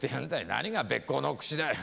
何がべっ甲のくしだい。